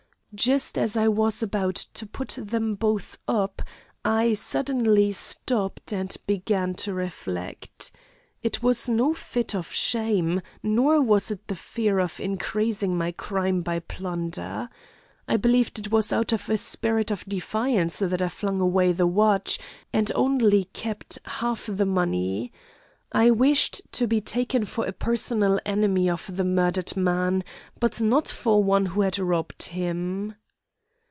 Just as I was about to put them both up, I suddenly stopped, and began to reflect. It was no fit of shame, nor was it the fear of increasing my crime by plunder. I believe it was out of a spirit of defiance that I flung away the watch, and only kept half the money. I wished to be taken for a personal enemy of the murdered man, but not for one who had robbed him.